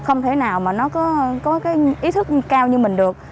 không thể nào mà nó có cái ý thức cao như mình được